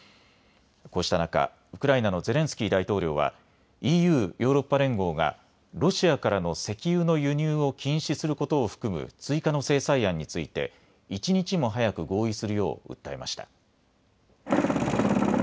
こうした中、ウクライナのゼレンスキー大統領はＥＵ・ヨーロッパ連合がロシアからの石油の輸入を禁止することを含む追加の制裁案について一日も早く合意するよう訴えました。